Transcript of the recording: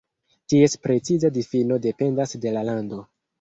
Ties preciza difino dependas de la lando.